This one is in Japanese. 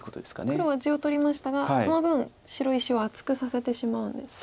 黒は地を取りましたがその分白石を厚くさせてしまうんですか。